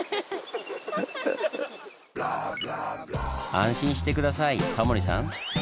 安心して下さいタモリさん。